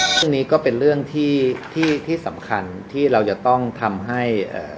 เรื่องนี้ก็เป็นเรื่องที่ที่สำคัญที่เราจะต้องทำให้